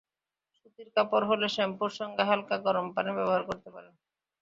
সুতির কাপড় হলে শ্যাম্পুর সঙ্গে হালকা গরম পানি ব্যবহার করতে পারেন।